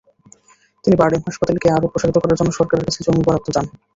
তিনি বারডেম হাসপাতালকে আরও প্রসারিত করার জন্য সরকারের কাছে জমি বরাদ্দ চান।